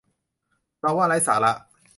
เราว่าไร้สาระ